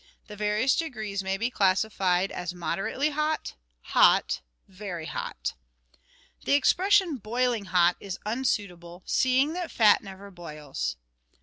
The various degrees may be classified as moderately hot, hot, very hot. The expression " boiling hot " is unsuitable, seeing that fat never boils.